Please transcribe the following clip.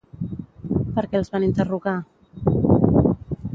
Per què els van interrogar?